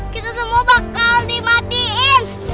kita semua bakal dimatiin